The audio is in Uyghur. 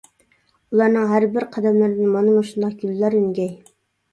ئۇلارنىڭ ھەربىر قەدەملىرىدىن مانا مۇشۇنداق گۈللەر ئۈنگەي.